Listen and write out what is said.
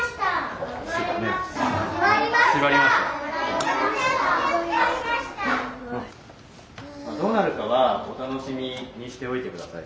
まあどうなるかはお楽しみにしておいて下さい。